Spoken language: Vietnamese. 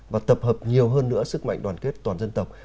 và tập hợp nhiều hơn nữa sức mạnh đoàn kết toàn dân tộc